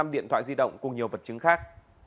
năm điện thoại di động cùng nhiều vật chứng khác